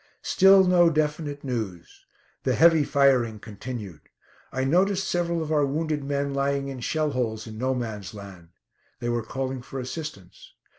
Still no definite news. The heavy firing continued. I noticed several of our wounded men lying in shell holes in "No Man's Land." They were calling for assistance.